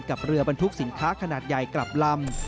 กับเรือบรรทุกสินค้าขนาดใหญ่กลับลำ